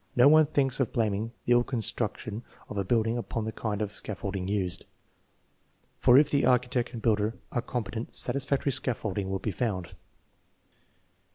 No one thinks of blaming the ill construction of a building upon the kind of scaffolding used, for if the architect and builder are competent satisfactory scaffolding will be found.